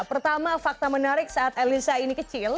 pertama fakta menarik saat elisa ini kecil